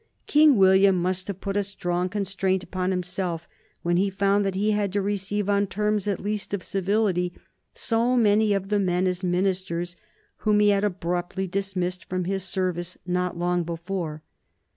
King William must have put a strong constraint upon himself when he found that he had to receive, on terms at least of civility, so many of the men, as ministers, whom he had abruptly dismissed from his service not long before.